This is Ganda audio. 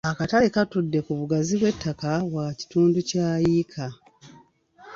Akatale katudde ku bugazi bw'ettaka bwa kitundu kya yiika.